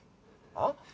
ああ？